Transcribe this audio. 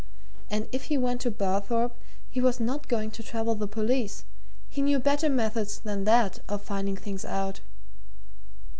And if he went to Barthorpe, he was not going to trouble the police he knew better methods than that of finding things out.